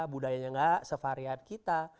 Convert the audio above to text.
budayanya gak sevarian kita